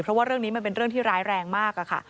เพราะว่าเรื่องนี้มันเป็นเรื่องที่ร้ายแรงมากค่ะ